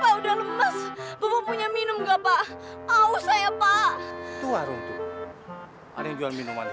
ada yang jual minuman disini